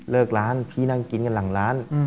ร้านพี่นั่งกินกันหลังร้าน